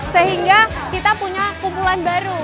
sehingga kita punya kumpulan baru